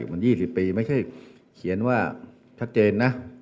มัน๒๐ปีไม่ใช่เขียนว่าชัดเจนนะ